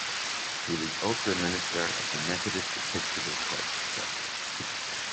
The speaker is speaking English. He was also a minister of the Methodist Episcopal Church South.